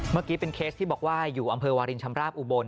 เมื่อกี้เป็นเคสที่บอกว่าอยู่อำเภอวาลินชำราบอุบล